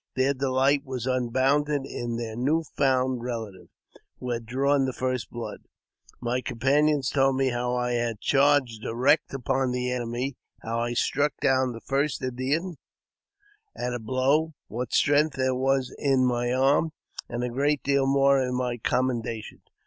Their delight was unbounded in their new found relative, who had drawn the first blood. My companions told how I had charged direct upon the enemy, how I struck down the first Indian at a blow, what strength there was in my arm, and a great deal more in my commenda tion.